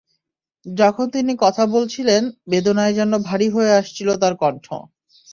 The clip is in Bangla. যখন তিনি কথা বলছিলেন, বেদনায় যেন ভারী হয়ে আসছিল তাঁর কণ্ঠ।